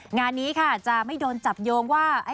งานนี้ค่ะจะไม่โดนจับโยงว่า